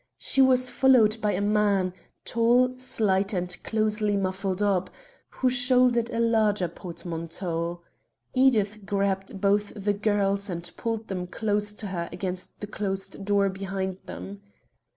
She was followed by a man, tall, slight, and closely muffled up, who shouldered a larger portmanteau. Edith grabbed both the girls, and pulled them close to her against the closed door behind them.